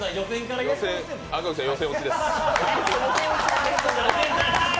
赤荻さん、予選落ちです。